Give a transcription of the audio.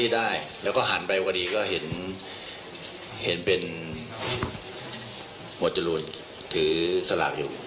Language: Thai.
ได้แล้วก็หันไปพอดีก็เห็นเป็นหมวดจรูนถือสลากอยู่